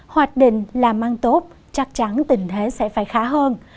hoạch định làm ăn tốt chắc chắn tình thế sẽ phải khá hơn